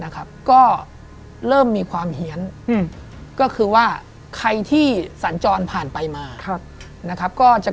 ก็เริ่มมีความเหลี้ยนก็คือว่าใครที่สรรจรผ่านไปมา